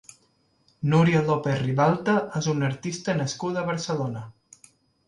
Núria López-Ribalta és una artista nascuda a Barcelona.